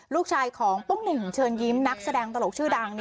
ลูกชายของปุ้งหนึ่งเชิญยิ้มนักแสดงตลกชื่อดัง